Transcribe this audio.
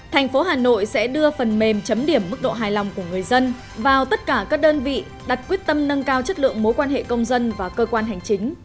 thành phố hà nội sẽ đưa phần mềm chấm điểm mức độ hài lòng của người dân vào tất cả các đơn vị đặt quyết tâm nâng cao chất lượng mối quan hệ công dân và cơ quan hành chính